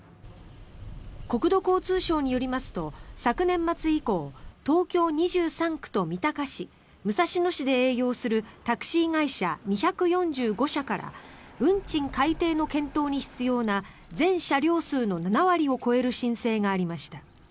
国土交通省によりますと昨年末以降東京２３区と三鷹市武蔵野市で営業するタクシー会社２４５社から運賃改定の検討に必要な全車両数の７割を超える申請がありました。